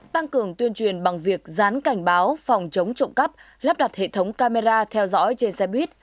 tăng cường tuyên truyền bằng việc dán cảnh báo phòng chống trộm cắp lắp đặt hệ thống camera theo dõi trên xe buýt